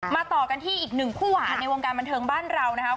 ต่อกันที่อีกหนึ่งคู่หวานในวงการบันเทิงบ้านเรานะครับ